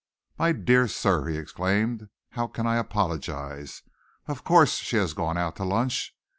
"My dear sir," he exclaimed, "how can I apologise! Of course she has gone out to lunch.